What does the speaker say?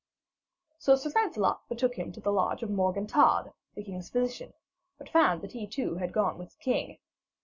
So Sir Lancelot betook him to the lodging of Morgan Todd, the king's physician, but found that he too had gone with the king.